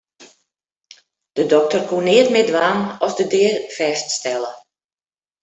De dokter koe net mear dwaan as de dea fêststelle.